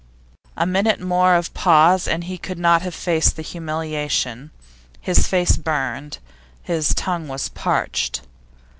A minute more of pause, and he could not have faced the humiliation. His face burned, his tongue was parched.